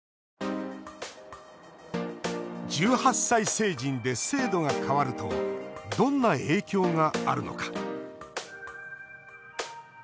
１８歳成人で制度が変わるとどんな影響があるのか。